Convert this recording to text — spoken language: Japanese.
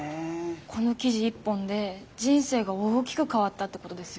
この記事一本で人生が大きく変わったってことですよね。